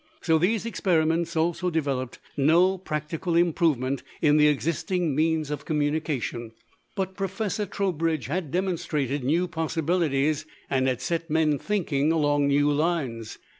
So these experiments also developed no practical improvement in the existing means of communication. But Professor Trowbridge had demonstrated new possibilities, and had set men thinking along new lines.